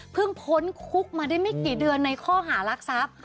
พ้นคุกมาได้ไม่กี่เดือนในข้อหารักทรัพย์